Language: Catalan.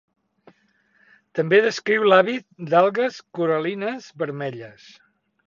També descriu l'hàbit d'algues coral·lines vermelles.